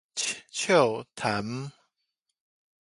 笑談